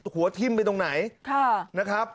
หัวทิ่มไปตรงไหน